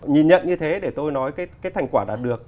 nhìn nhận như thế để tôi nói cái thành quả đạt được